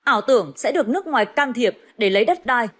ảo tưởng sẽ được nước ngoài can thiệp để lấy đất đai